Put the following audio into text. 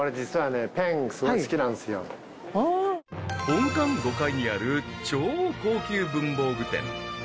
［本館５階にある超高級文房具店］